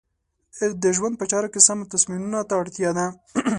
د ژوند په چارو کې سمو تصمیمونو ته اړتیا ده.